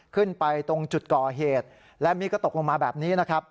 ขึ้นไปตรงจุดก่อเหตุแล้วอัมมิก็ตกลงมาแบบนี้